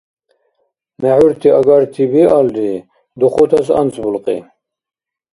МехӀурти агарти биалри, духутас анцӀбулкьи.